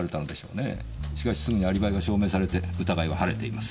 しかしすぐにアリバイが証明されて疑いは晴れています。